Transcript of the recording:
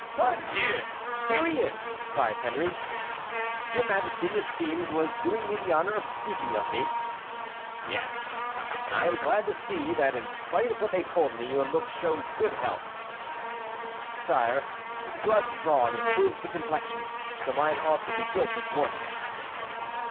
"Pardieu! here he is," cried Henri. "Your majesty, it seems, was doing me the honor of speaking of me." "Yes, and I am glad to see that, in spite of what they told me, your look shows good health." "Sire, blood drawn improves the complexion, so mine ought to be good this morning."